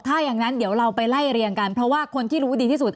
ถ้าอย่างนั้นเดี๋ยวเราไปไล่เรียงกันเพราะว่าคนที่รู้ดีที่สุด